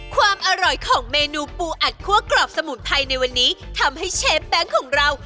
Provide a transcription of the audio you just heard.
ความอร่อยของเมนูปูอัดคั่วกรอบสมุนไพรในวันนี้ทำให้เชฟแบงค์ของเรา